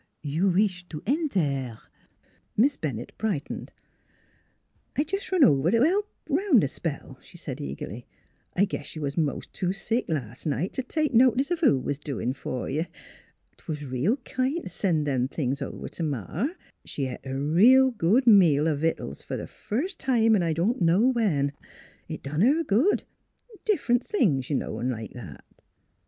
You wish er to entaire? " Miss Bennett brightened. " I jes' run over t' t' help 'round a spell," she said eagerly. " I guess you was mos' too sick las' night t' take notice who 't was doin' f'r you. 'Twas reel kind t' send over them things t' Ma. She et a reel good meal o' vittles f'r th' firs' time in I don' know when. It done her good differ'nt things, you know, 'n' like that."